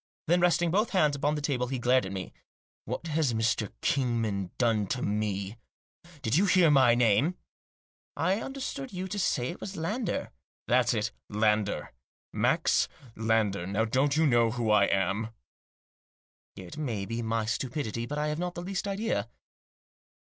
Then, resting both hands upon the table, he glared at me. "What has Mr. Kingdon done to me ? Did you hear my name ?"" I understood you to say it was Lander," " That's it, Lander ; Max Lander. Now don't you know who I am ? Digitized by 174 THE JOSS. " It may be my stupidity, but I have not the least idea."